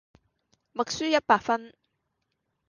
默書一百分